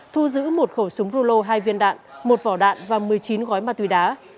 thu giữ một khẩu súng rulo hai viên đạn một vỏ đạn và một mươi chín gói ma túy đá